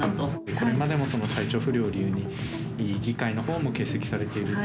これまでも体調不良を理由に、議会のほうも欠席されていると。